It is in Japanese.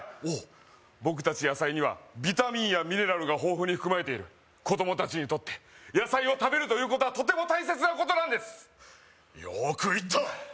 おお僕達野菜にはビタミンやミネラルが豊富に含まれている子供達にとって野菜を食べるということはとても大切なことなんですよく言った！